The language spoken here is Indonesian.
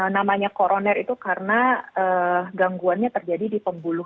namanya koroner itu karena gangguannya terjadi di pemutus jantung